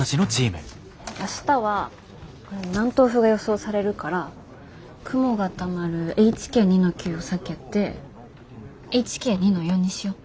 明日は南東風が予想されるから雲がたまるＨＫ２−９を避けてＨＫ２−４にしよう。